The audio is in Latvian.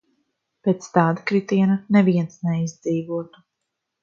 Pēc tāda kritiena neviens neizdzīvotu.